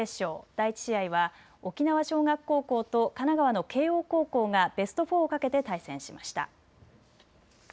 第１試合は沖縄尚学高校と神奈川の慶応高校がベスト４をかけて対戦しました。